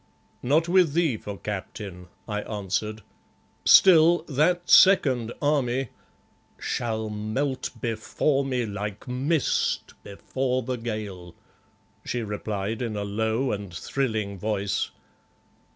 "Not with thee for captain," I answered. "Still, that second army " "Shall melt before me like mist before the gale," she replied in a low and thrilling voice.